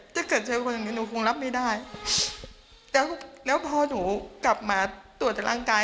ถ้าเกิดเจอคนอย่างงี้หนูคงรับไม่ได้แล้วแล้วพอหนูกลับมาตรวจจากร่างกาย